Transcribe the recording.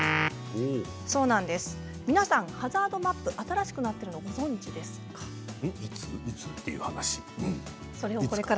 皆さん、ハザードマップが新しくなっているのをご存じですか？